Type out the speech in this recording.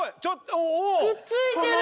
くっついてる！